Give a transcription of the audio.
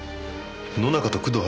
野中と工藤春馬